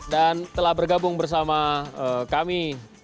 dan telah bergabung bersama kami